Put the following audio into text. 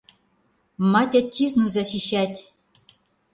Мать-отчизну защищать!